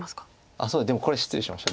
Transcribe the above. あっそうでもこれ失礼しました。